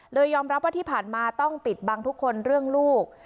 ยอมรับว่าที่ผ่านมาต้องปิดบังทุกคนเรื่องลูก